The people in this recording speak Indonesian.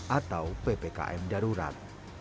atau ppkm darurat